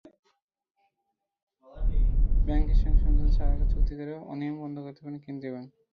ব্যাংকের সঙ্গে সমঝোতা স্মারকে চুক্তি করেও অনিয়ম বন্ধ করতে পারেনি কেন্দ্রীয় ব্যাংক।